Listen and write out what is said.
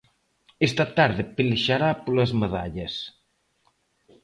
Esta tarde pelexará polas medallas.